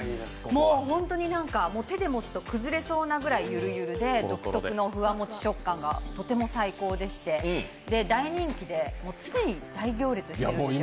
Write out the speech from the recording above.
ホントに手で持つと崩れそうなくらいゆるゆるで、独特のふわもち食感がとても最高でして大人気で常に大行列しているんですよ。